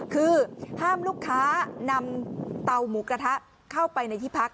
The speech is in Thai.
คือห้ามลูกค้านำเตาหมูกระทะเข้าไปในที่พัก